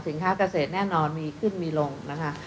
ค้าเกษตรแน่นอนมีขึ้นมีลงนะคะ